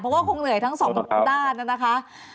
เพราะว่าคงเหนื่อยทั้งสองด้านนะคะ